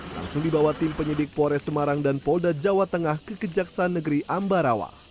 langsung dibawa tim penyidik pores semarang dan polda jawa tengah ke kejaksaan negeri ambarawa